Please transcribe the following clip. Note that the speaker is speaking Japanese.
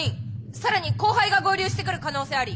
更に後輩が合流してくる可能性あり。